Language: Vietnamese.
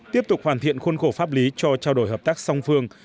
tiếp tục hoàn thiện khuôn khổ pháp lý cho trao đổi hợp tác song phương